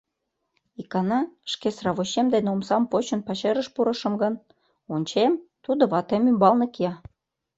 Икана шке сравочем дене омсам почын пачерыш пурышым гын, ончем, тудо ватем ӱмбалне кия.